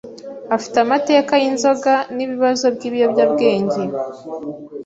afite amateka yinzoga nibibazo byibiyobyabwenge.